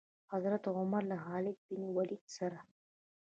حضرت عمر له خالد بن ولید سره.